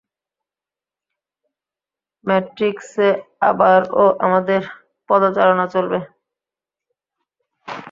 ম্যাট্রিক্সে আবারও আমাদের পদচারণা চলবে!